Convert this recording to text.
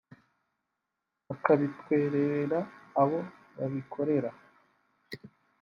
bakabitwerera abo babikorera